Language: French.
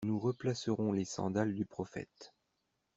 Nous replacerons les sandales du prophète.